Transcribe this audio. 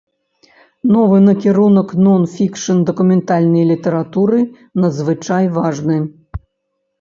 Новы накірунак нон-фікшн дакументальнай літаратуры надзвычай важны.